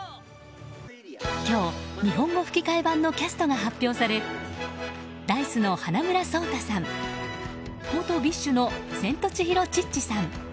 今日、日本語吹き替え版のキャストが発表されＤａ‐ｉＣＥの花村想太さん元ＢｉＳＨのセントチヒロ・チッチさん